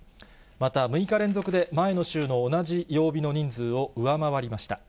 また、６日連続で、前の週の同じ曜日の人数を上回りました。